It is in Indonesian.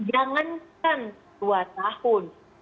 jangankan dua tahun